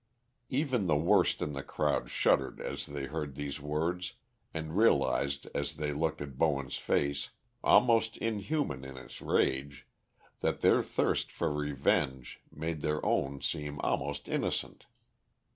Even the worst in the crowd shuddered as they heard these words and realised as they looked at Bowen's face, almost inhuman in its rage, that his thirst for revenge made their own seem almost innocent.